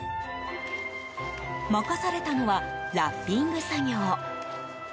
任されたのはラッピング作業。